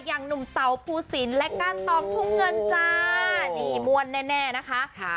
อย่างหนุ่มเต่าภูสินและก้านตองทุ่งเงินจ้านี่มวลแน่แน่นะคะ